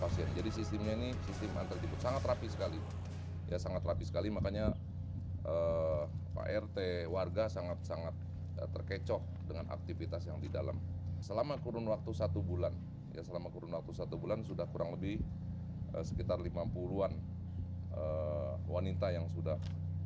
selama kurun waktu satu bulan sudah kurang lebih sekitar lima puluh an wanita yang sudah